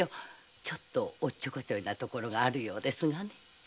ちょっとおっちょこちょいなところがあるようですがね。